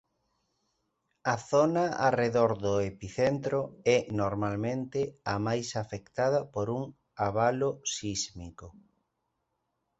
A zona arredor do epicentro é normalmente a máis afectada por un abalo sísmico.